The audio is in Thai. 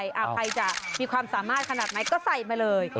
ใครจะมีความสามารถขนาดไหนก็ใส่มาเลย